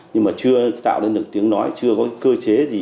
nhưng mà chưa tạo ra được tiếng nói chưa có cơ chế gì